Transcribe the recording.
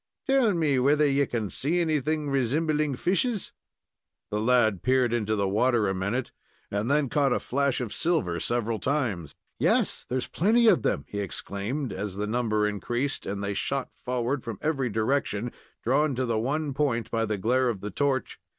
"Tell me whether ye can see anything resimbling fishes?" The lad peered into the water a minute, and them caught a flash of silver several times. "Yes, there's plenty of them!" he exclaimed, as the number increased, and they shot forward from every direction, drawn to the one point by the glare of the torch.